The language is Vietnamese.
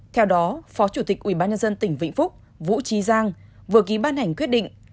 theo đó phó chủ tịch ubnd tỉnh vĩnh phúc vũ trí giang vừa ký ban hành quyết định